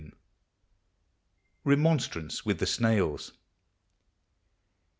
REMONSTRANCE WITH THE SNAILS.